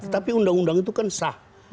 tapi undang undang itu kan sah